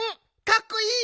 かっこいい！